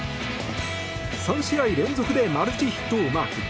３試合連続でマルチヒットをマーク。